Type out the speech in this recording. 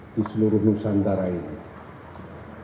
di seluruh nusantara ini